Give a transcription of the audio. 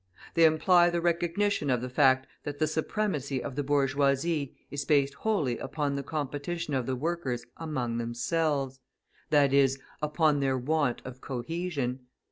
They imply the recognition of the fact that the supremacy of the bourgeoisie is based wholly upon the competition of the workers among themselves; i.e., upon their want of cohesion.